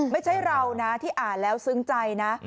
ไม่ใช่เรานะที่อ่านแล้วซึ้งใจนะ